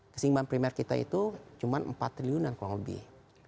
keseimbangan primer kita itu cuma empat triliunan kurang lebih